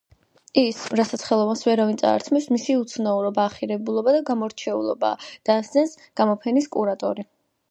ის, რასაც ხელოვანს ვერავინ წაართმევს, მისი უცნაურობა, ახირებულობა და გამორჩეულობაა – დასძენს გამოფენის კურატორი.